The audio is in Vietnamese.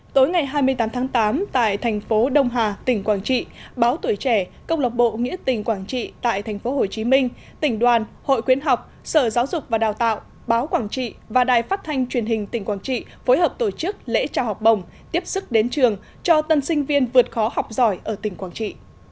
tối ngày hai mươi tám tháng tám tại thành phố đông hà tỉnh quảng trị báo tuổi trẻ công lộc bộ nghĩa tỉnh quảng trị tại thành phố hồ chí minh tỉnh đoàn hội quyến học sở giáo dục và đào tạo báo quảng trị và đài phát thanh truyền hình tỉnh quảng trị phối hợp tổ chức lễ trao học bồng tiếp sức đến trường cho tân sinh viên vượt khó học giỏi ở tỉnh quảng trị